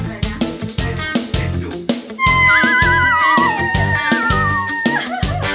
อะไรเนี่ย